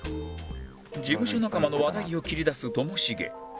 事務所仲間の話題を切り出すともしげ